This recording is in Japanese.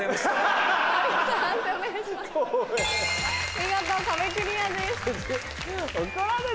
見事壁クリアです。